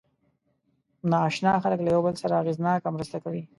ناآشنا خلک له یو بل سره اغېزناکه مرسته کوي.